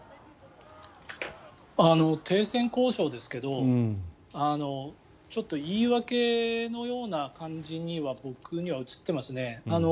停戦交渉ですけどちょっと言い訳のような感じには僕には映ってますね。